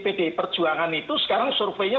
pdi perjuangan itu sekarang surveinya